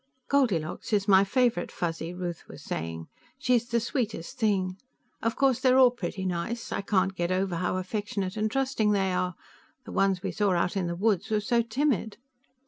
"Goldilocks is my favorite Fuzzy," Ruth was saying. "She is the sweetest thing. Of course, they're all pretty nice. I can't get over how affectionate and trusting they are; the ones we saw out in the woods were so timid."